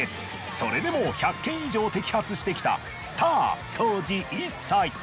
それでも１００件以上摘発してきたスター当時１歳。